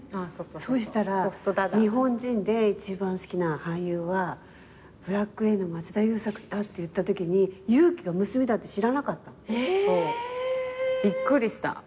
そうしたら日本人で一番好きな俳優は『ブラック・レイン』の松田優作だって言ったときにゆう姫が娘だって知らなかったの。え！？びっくりした。